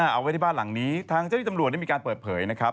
เอาไว้ที่บ้านหลังนี้ทางเจ้าที่ตำรวจได้มีการเปิดเผยนะครับ